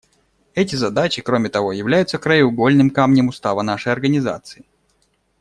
Эти задачи, кроме того, являются краеугольным камнем Устава нашей Организации.